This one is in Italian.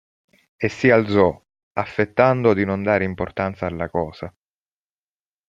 E si alzò, affettando di non dare importanza alla cosa.